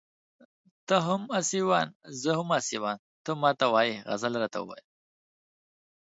ته هم اسيوان زه هم اسيوان ته ما ته وايې غزل راته ووايه